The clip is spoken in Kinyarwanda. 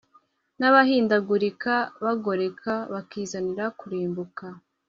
nabahindugurika bagoreka bakizanira kurimbuka